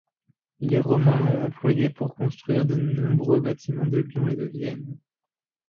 Les Romains l'ont employée pour construire de nombreux bâtiments de Lyon et de Vienne.